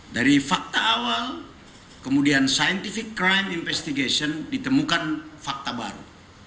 dari fakta awal kemudian scientific crime investigation ditemukan fakta baru